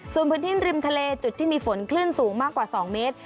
ส่วนพื้นที่ริมทะเลจุดที่มีฝนคลื่นสูงมากกว่า๒เมตร